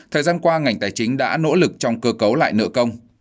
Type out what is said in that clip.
thời gian qua ngành tài chính đã nỗ lực trong cơ cấu lại nợ công